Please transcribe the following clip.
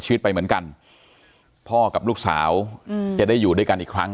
ชีวิตไปเหมือนกันพ่อกับลูกสาวจะได้อยู่ด้วยกันอีกครั้ง